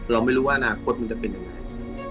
เราไม่รู้ว่าอนาคตมันจะเป็นยังไง